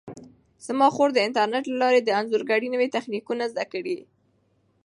زما خور د انټرنیټ له لارې د انځورګرۍ نوي تخنیکونه زده کوي.